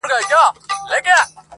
او که دواړي سترګي بندي وي څه ښه دي -